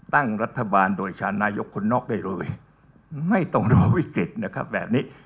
ตั้งรัฐบาลโดยชานายกคนนอกได้เลยไม่ต้องรอวิกฤตนะครับแบบนี้